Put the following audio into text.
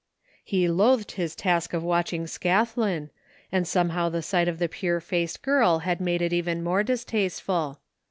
He loathed his task of watching Scathlin, and some how the sight of the pure faced girl had made it even more distasteful.